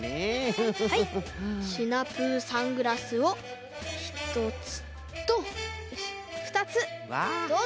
はいシナプーサングラスをひとつとふたつどうぞ。